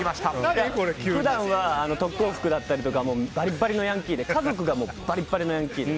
普段は特攻服だったりバリバリのヤンキーで家族がバリバリのヤンキーで。